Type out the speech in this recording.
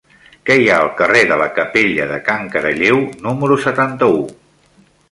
Què hi ha al carrer de la Capella de Can Caralleu número setanta-u?